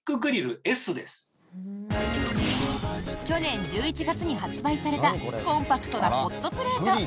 去年１１月に発売されたコンパクトなホットプレート。